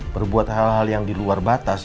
berbuat hal hal yang di luar batas